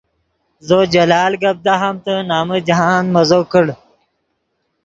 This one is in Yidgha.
زو جلال گپ دہامتے نمن جاہند مزو کڑ